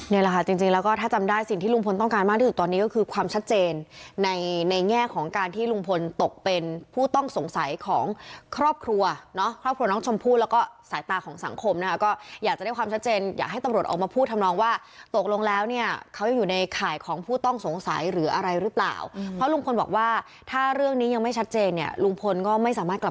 นี่แหละค่ะจริงแล้วก็ถ้าจำได้สิ่งที่ลุงพลต้องการมากที่สุดตอนนี้ก็คือความชัดเจนในในแง่ของการที่ลุงพลตกเป็นผู้ต้องสงสัยของครอบครัวเนาะครอบครัวน้องชมพูดแล้วก็สายตาของสังคมนะก็อยากจะได้ความชัดเจนอยากให้ตำรวจออกมาพูดทำนองว่าตกลงแล้วเนี่ยเขาอยู่ในข่ายของผู้ต้องสงสัยหรืออะไรหรือเปล่า